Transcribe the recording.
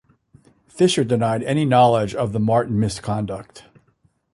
Fisher denied any knowledge of the Martin misconduct.